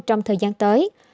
trong thời gian tới